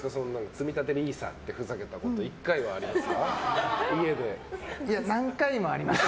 つみたて里依紗ってふざけたこと何回もあります。